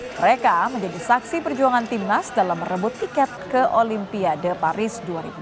mereka menjadi saksi perjuangan timnas dalam merebut tiket ke olimpiade paris dua ribu dua puluh